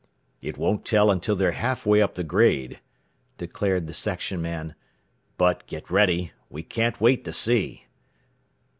"It won't tell until they are half way up the grade," declared the section man. "But, get ready. We can't wait to see.